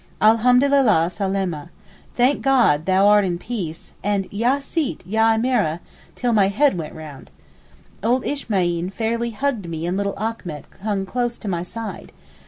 Alhamdulillah salaameh! 'Thank God thou art in peace,' and Ya Sitt, Ya Emeereh, till my head went round. Old Ismaeen fairly hugged me and little Achmet hung close to my side.